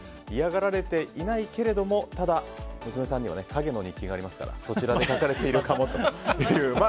嫌がられていないけれどもただ、娘さんには陰の日記がありますからそちらで書かれているかもという。